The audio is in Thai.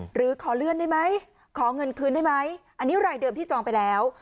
หรือขอเลื่อนได้ไหมขอเงินคืนได้ไหมอันนี้รายเดิมที่จองไปแล้ว